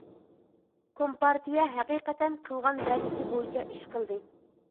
كومپارتىيە ھەقىقەتەن قىلغان ۋەدىسى بويىچە ئىش قىلدى.